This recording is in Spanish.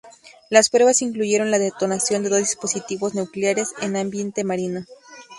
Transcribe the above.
Las pruebas incluyeron la detonación de dos dispositivos nucleares en ambiente marino.